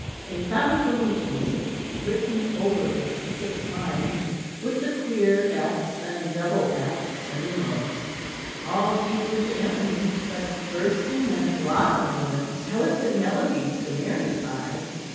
They found the lute music, written over its six lines with the queer F's and double F's and numerals all Hebrew to Anthony, but bursting and blossoming with delicate melodies to Mary's eyes.